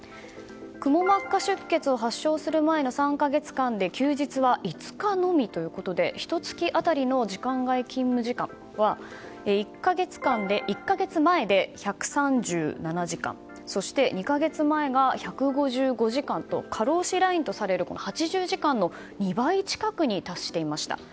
くも膜下出血を発症する前の３か月間で休日は５日のみということでひと月当たりの時間外勤務時間は１か月前で１３７時間そして２か月前が１５５時間と過労死ラインとされる８０時間の２倍近くに達していました。